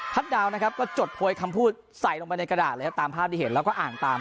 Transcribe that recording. ทางภาพที่เห็นแล้วอ่านตาม